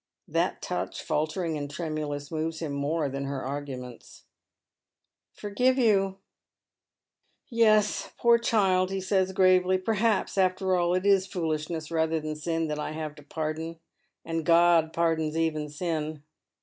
That touch, faltering imd tremulous, moves him more than her arguments. " Forgive you ? yes, poor child," he says, gravely. " Perhaps, «fter all, it is foolishness rather than sin that I have to pardon — Slid God pardons even sin.